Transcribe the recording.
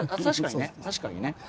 確かにね